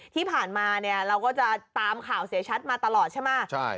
ที่ผ่านมาเนี่ยเราก็จะตามข่าวเสียชัดมาตลอดใช่ไหม